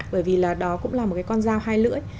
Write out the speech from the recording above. bởi vì là đó cũng là một cái con dao hai lưỡi